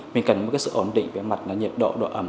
mình cần một cái sự ổn định về mặt nhiệt độ độ ẩm